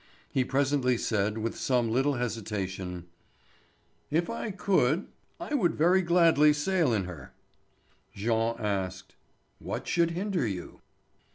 He presently said, with some little hesitation: "If I could, I would very gladly sail in her." Jean asked: "What should hinder you?"